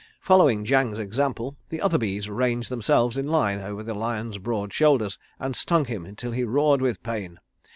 Following Jang's example, the other bees ranged themselves in line over the lion's broad shoulders, and stung him until he roared with pain.